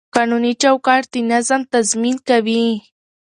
قانوني چوکاټ د نظم تضمین کوي.